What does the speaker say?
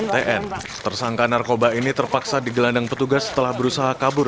tn tersangka narkoba ini terpaksa digelandang petugas setelah berusaha kabur